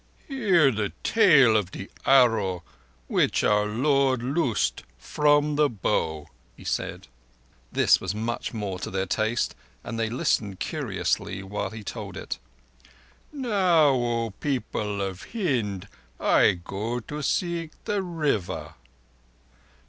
"Hear the tale of the Arrow which our Lord loosed from the bow," he said. This was much more to their taste, and they listened curiously while he told it. "Now, O people of Hind, I go to seek that River.